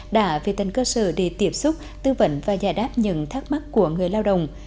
đã về tên cơ sở để tiếp xúc tư vận và giải đáp những thắc mắc của người lao động